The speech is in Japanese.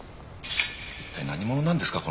一体何者なんですか？